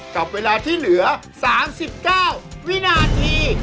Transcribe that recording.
กับเวลาที่เหลือ๓๙วินาที